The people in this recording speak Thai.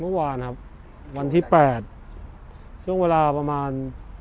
เมื่อวานครับวันที่๘ช่วงเวลาประมาณ